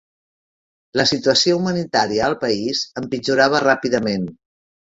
La situació humanitària al país empitjorava ràpidament.